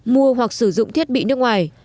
mua hoặc sử dụng thiết bị nước ngoài